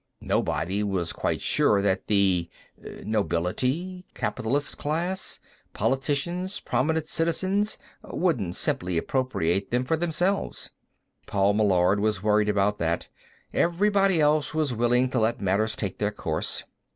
Nobody was quite sure that the (nobility? capitalist class? politicians? prominent citizens?) wouldn't simply appropriate them for themselves. Paul Meillard was worried about that; everybody else was willing to let matters take their course.